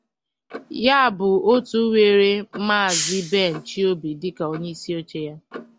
Ya bụ òtù nwere Maazị Ben Chiobi dịka onyeisioche ya